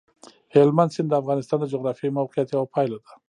هلمند سیند د افغانستان د جغرافیایي موقیعت یوه پایله ده.